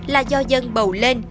là do dân bầu lên